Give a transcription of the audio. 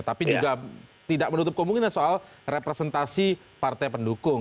tapi juga tidak menutup kemungkinan soal representasi partai pendukung